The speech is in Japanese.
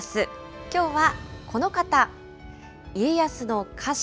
きょうはこの方、家康の家臣、